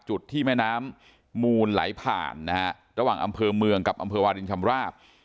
จุดที่แม่น้ำมูลไหลผ่านนะฮะระหว่างอำเภอเมืองกับอำเภอวาลินชำราบ